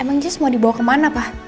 emang dia semua dibawa ke mana pak